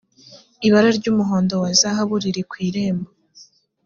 ibara ry umuhondo wa zahabu riri kwirembo